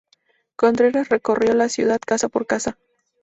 Contreras recorrió la ciudad casa por casa.